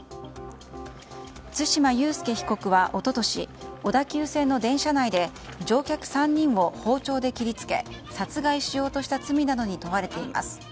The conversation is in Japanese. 対馬悠介被告は一昨年小田急線の電車内で乗客３人を包丁で切りつけ殺害しようとした罪などに問われています。